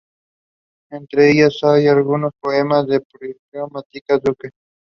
The wood is light brown to pale yellow.